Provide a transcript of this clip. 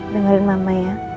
dengarin mama ya